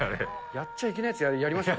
やっちゃいけないやつ。